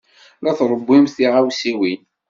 La trewwimt tiɣawsiwin.